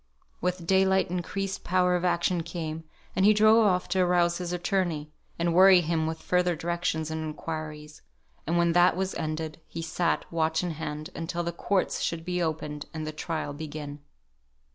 With daylight increased power of action came; and he drove off to arouse his attorney, and worry him with further directions and inquiries; and when that was ended, he sat, watch in hand, until the courts should be opened, and the trial begin.